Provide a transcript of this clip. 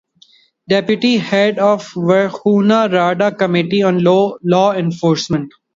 Deputy Head of the Verkhovna Rada Committee on Law Enforcement.